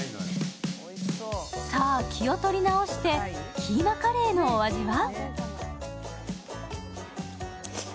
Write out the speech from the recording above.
さあ、気を取り直してキーマカレーのお味は？